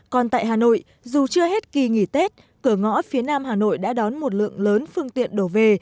còn tại hà nội dù chưa hết kỳ nghỉ tết cửa ngõ phía nam hà nội đã đón một lượng lớn phương tiện đổ về